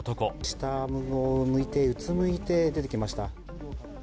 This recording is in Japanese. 下を向いて、うつむいて出てきました。